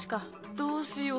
どうしよう。